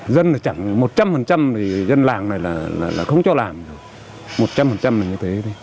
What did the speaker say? dân là chẳng một trăm linh thì dân làng này là không cho làm một trăm linh là như thế